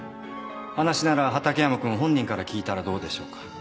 話なら畠山君本人から聞いたらどうでしょうか。